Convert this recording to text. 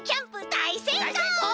だいせいこう！